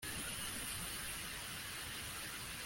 hari urutonde rw'abanyamategeko n'ibigo wakwiyambaza